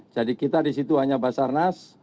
jadi kita di situ hanya basarnas